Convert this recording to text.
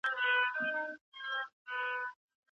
ایا د مېوو په خوړلو سره د ناروغیو په وړاندي مقاومت زیاتېږي؟